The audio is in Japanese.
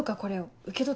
受け取っ。